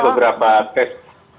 ada beberapa tes